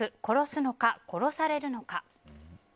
殺すのか、殺されるのか。